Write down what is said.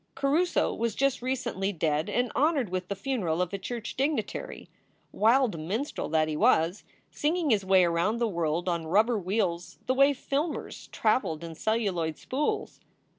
Caruso was just recently dead and honored with the funeral of a church dignitary, wild minstrel that he was, singing his way around the world on rubber wheels the way the filmers traveled in celluloid spools.